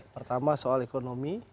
pertama soal ekonomi